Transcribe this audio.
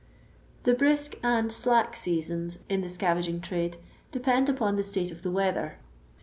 The hiisl: and slack ttasons in the scavaging trade depend upon the state of the weather.